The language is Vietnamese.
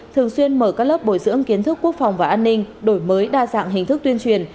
thường xuyên mở các lớp bồi dưỡng kiến thức quốc phòng và an ninh đổi mới đa dạng hình thức tuyên truyền